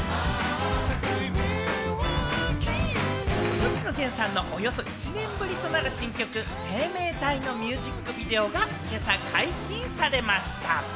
星野源さんのおよそ１年ぶりとなる新曲『生命体』のミュージックビデオが今朝解禁されました。